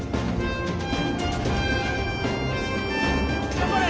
頑張れ！